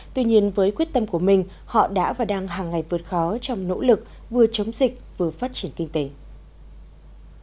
tuy nhiên với quyết tâm của mình họ đã và đang hàng ngày vượt khó trong nỗ lực vừa chống dịch vừa phát triển kinh tỉnh